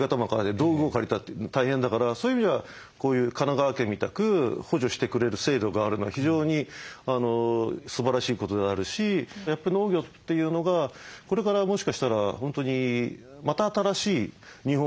道具を借りたって大変だからそういう意味じゃこういう神奈川県みたく補助してくれる制度があるのは非常にすばらしいことであるしやっぱ農業というのがこれからもしかしたら本当にまた新しい日本を作り上げていくものになる。